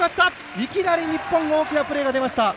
いきなり日本の大きなプレーが出ました。